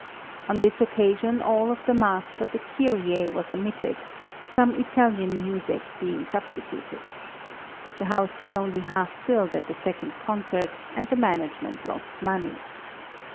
On this occasion all of the Mass but the Kyrie was omitted, some Italian music being substituted. The house was only half filled at the second concert and the management lost money.